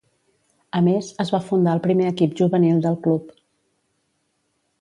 A més, es va fundar el primer equip Juvenil del club.